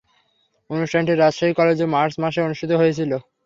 অনুষ্ঠানটি রাজশাহী কলেজে মার্চ মাসে অনুষ্ঠিত হয়েছিলো।